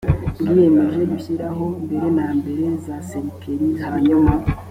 bwiyemeje gushyiraho mbere na mbere za serikeri hanyuma